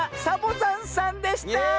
サボざんさんでした！